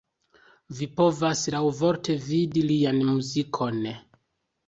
Vi povas laŭvorte vidi lian muzikon.